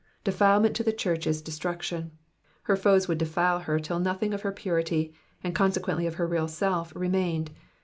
'' Defilement to the church is destruction ; her foes would defile her till nothing of her purity, and consequently of her real self, remained.